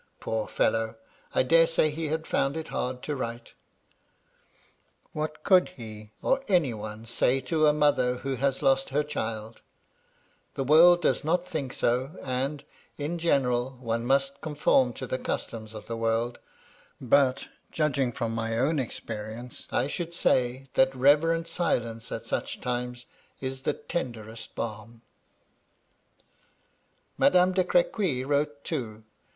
Poor fellow ! I dare say he had found it hard to write. What could he — or any one — say to a mother who has lost her child ? The world does not think so, and, in general, one must conform to the customs of the world ; but, judging from my own experience, I should say that reverent silence at such times is the tenderest balm. MY LADY LUDLOW. 101 Madame de Crequy wrote too.